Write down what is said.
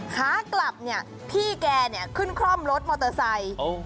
ขากลับเนี่ยพี่แกขึ้นคร่อมรถมอเตอร์ไซค์